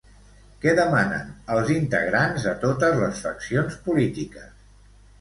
Què demanen als integrants de totes les faccions polítiques?